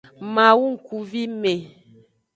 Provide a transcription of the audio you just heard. Mawu ngkuvime.